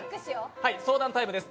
相談タイムです。